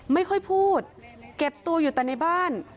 ไม่ค่อยพูดเก็บตัวอยู่แต่ในบ้าน